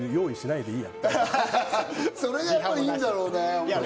それがいいんだろうね。